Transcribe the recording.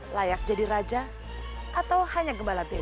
layak jadi raja atau hanya gembala bir